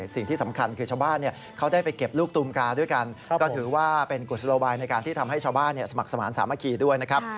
สิ่งที่สำคัญคือชาวบ้านเขาได้ไปเก็บลูกตูมกาด้วยกันก็ถือว่าเป็นกุศโลบายในการที่ทำให้ชาวบ้านสมัครสมาธิสามัคคีด้วยนะครับ